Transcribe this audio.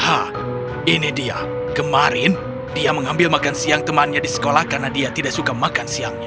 hah ini dia kemarin dia mengambil makan siang temannya di sekolah karena dia tidak suka makan siangnya